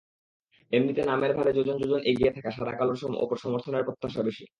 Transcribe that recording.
এমনিতে নামের ভারে যোজন যোজন এগিয়ে থাকা সাদা-কালোর ওপর সমর্থকদের প্রত্যাশা বেশি।